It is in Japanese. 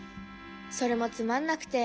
それもつまんなくて。